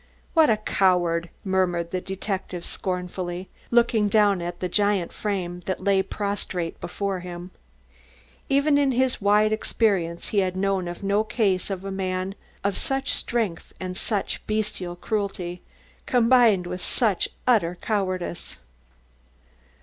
"What a coward!" murmured the detective scornfully, looking down at the giant frame that lay prostrate before him. Even in his wide experience he had known of no case of a man of such strength and such bestial cruelty, combined with such utter cowardice.